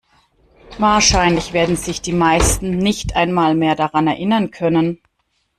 Wahrscheinlich werden sich die meisten nicht einmal mehr daran erinnern können.